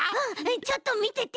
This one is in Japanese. ちょっとみてて！